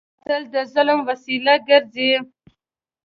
قاتل د ظلم وسیله ګرځي